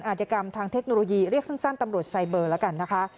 อาจกรรมทางเทคโนโลยีเรียกสั้นตำรวจไซเบอร์แล้วกันนะคะ